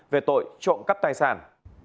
về tội trộm cắt tài sản